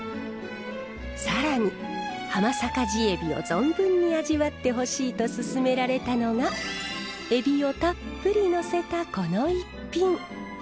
更に浜坂地エビを存分に味わってほしいとすすめられたのがエビをたっぷりのせたこの一品。